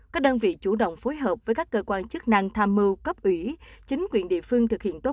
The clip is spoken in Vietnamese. các đơn vị chủ động phối hợp với các cơ quan chức năng tham mưu cấp ủy chính quyền địa phương thực hiện tốt